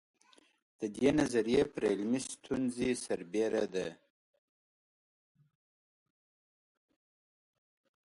د دې نظریې پر علمي ستونزې سربېره ده.